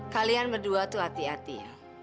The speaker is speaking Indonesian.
kalian berdua itu hati hati ya